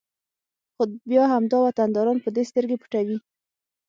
خو بیا همدا وطنداران په دې سترګې پټوي